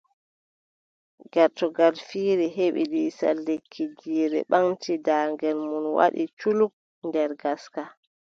Gertogal fiiri heɓi lisal lekki! Jiire ɓaŋti daagel muum waɗi culuk nder ngaska!